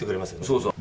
そうそう。